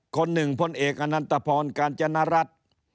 คนหนึ่งพลเอกอนันตพรกาญจนรัฐ